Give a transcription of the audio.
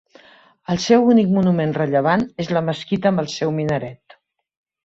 El seu únic monument rellevant és la mesquita amb el seu minaret.